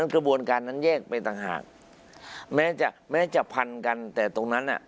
กระบวนการนั้นแยกไปต่างหากแม้จะแม้จะพันกันแต่ตรงนั้นอ่ะ